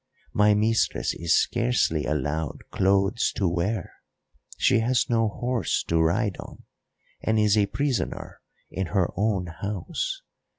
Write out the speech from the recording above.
My mistress is scarcely allowed clothes to wear; she has no horse to ride on and is a prisoner in her own house.